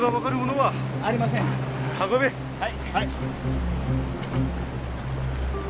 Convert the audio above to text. はい。